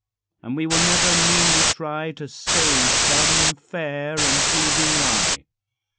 And we will never meanly try To save some fair and pleasing lie.